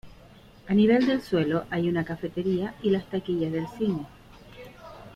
A nivel del suelo hay una cafetería y las taquillas del cine.